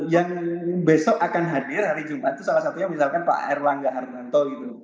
yang besok akan hadir hari jumat itu salah satunya misalkan pak erlangga harnanto gitu loh